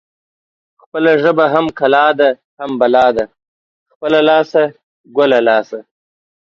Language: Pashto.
خپله ژبه هم کلا ده هم بلا. خپله لاسه ګله لاسه.